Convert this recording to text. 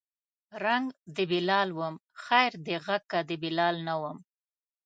رنګ د بلال وم خیر دی غږ که د بلال نه وم